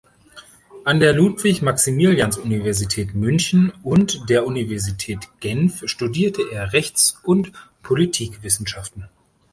An der Ludwig-Maximilians-Universität München und der Universität Genf studierte er Rechts- und Politikwissenschaften.